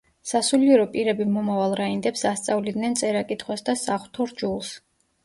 სასულიერო პირები მომავალ რაინდებს ასწავლიდნენ წერა-კითხვას და საღვთო რჯულს.